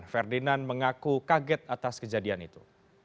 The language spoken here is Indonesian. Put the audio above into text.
ferdinand mengaku kaget atas kejadian itu